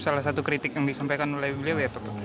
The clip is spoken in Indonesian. salah satu kritik yang disampaikan oleh beliau ya pak